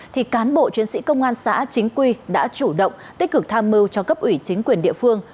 thì cán bộ chiến sĩ công an xã chính quy đã chủ động tích cực tham mưu cho cấp ủy chính quyền địa phương